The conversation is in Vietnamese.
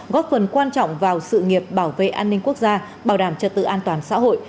góp phần quan trọng vào sự nghiệp bảo vệ an ninh quốc gia bảo đảm trật tự an toàn xã hội